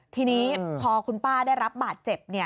ทีนี้พอคุณป้าได้รับบาดเจ็บ